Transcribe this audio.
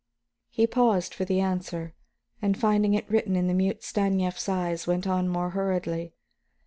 He paused for the answer, and finding it written in the mute Stanief's eyes, went on more hurriedly.